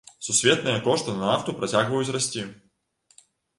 Сусветныя кошты на нафту працягваюць расці.